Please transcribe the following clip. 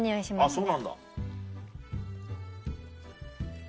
そうなんだ。